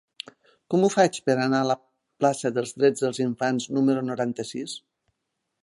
Com ho faig per anar a la plaça dels Drets dels Infants número noranta-sis?